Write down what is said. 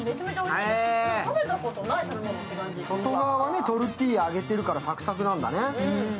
外側はトルティーヤ揚げてるからサクサクなんだね。